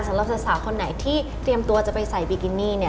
สำหรับสาวคนไหนที่เตรียมตัวจะไปใส่บิกินี่